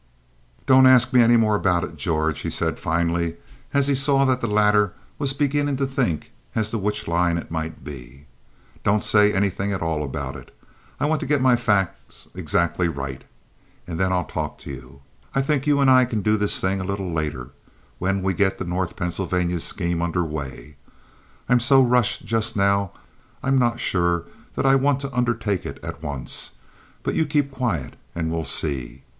"Don't ask me any more about it, George," he said, finally, as he saw that the latter was beginning to think as to which line it might be. "Don't say anything at all about it. I want to get my facts exactly right, and then I'll talk to you. I think you and I can do this thing a little later, when we get the North Pennsylvania scheme under way. I'm so rushed just now I'm not sure that I want to undertake it at once; but you keep quiet and we'll see."